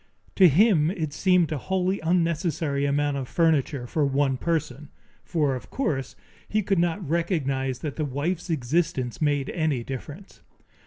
To him it seemed a wholly unnecessary amount of furniture for one person, for of course he could not recognize that the wife's existence made any difference.